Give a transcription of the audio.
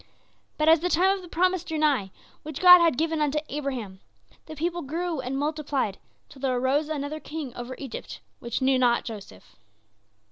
"But as the time of the promise drew nigh, which God had given unto Abraham, the people grew and multiplied, till there arose another king over Egypt which knew not Joseph.